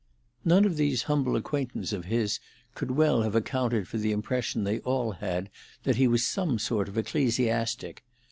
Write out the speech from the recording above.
None of these humble acquaintance of his could well have accounted for the impression they all had that he was some sort of ecclesiastic.